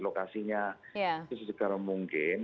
lokasinya itu sesegara mungkin